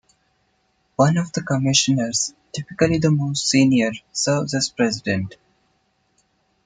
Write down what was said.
One of the commissioners, typically the most senior, serves as president.